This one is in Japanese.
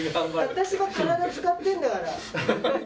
私が体使ってんだから。